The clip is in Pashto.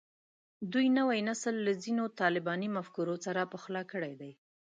دوی نوی نسل له ځینو طالباني مفکورو سره پخلا کړی دی